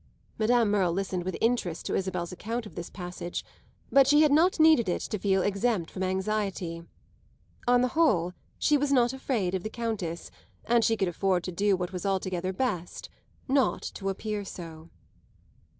Madame Merle listened with interest to Isabel's account of this passage, but she had not needed it to feel exempt from anxiety. On the whole she was not afraid of the Countess, and she could afford to do what was altogether best not to appear so.